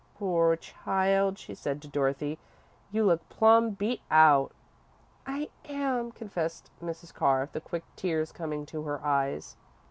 "Poor child," she said to Dorothy; "you look plum beat out." "I am," confessed Mrs. Carr, the quick tears coming to her eyes.